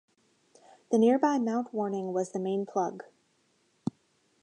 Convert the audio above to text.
The nearby Mount Warning was the main plug.